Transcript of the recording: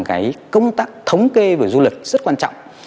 cái công tác thống kê về du lịch rất quan trọng